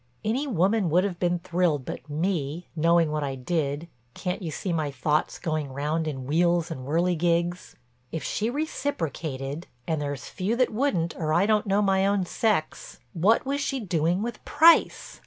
Any woman would have been thrilled but me, knowing what I did—can't you see my thoughts going round in wheels and whirligigs? If she reciprocated—and there's few that wouldn't or I don't know my own sex—what was she doing with Price?